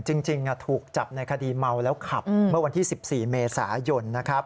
จริงถูกจับในคดีเมาแล้วขับเมื่อวันที่๑๔เมษายนนะครับ